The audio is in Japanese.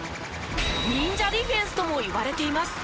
忍者ディフェンスともいわれています。